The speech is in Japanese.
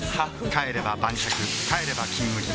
帰れば晩酌帰れば「金麦」